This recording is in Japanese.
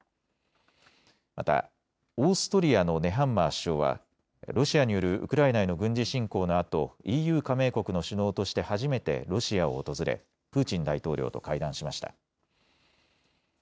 また、オーストリアのネハンマー首相はロシアによるウクライナへの軍事侵攻のあとＥＵ加盟国の首脳として初めてロシアを訪れプーチン大統領と会談しました。